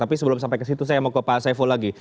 tapi sebelum sampai ke situ saya mau ke pak saiful lagi